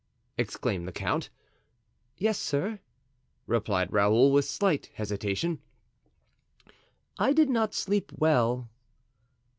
exclaimed the count. "Yes, sir," replied Raoul, with slight hesitation; "I did not sleep well."